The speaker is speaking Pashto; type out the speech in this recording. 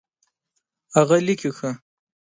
هغه لیکي ښه